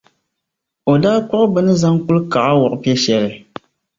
o daa kpuɣi bɛ ni zaŋ kulikaɣa wuɣi piɛ’ shɛli.